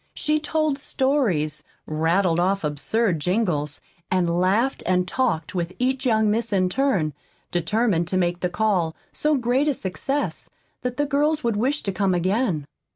She told stories, rattled off absurd jingles, and laughed and talked with each young miss in turn, determined to make the call so great a success that the girls would wish to come again.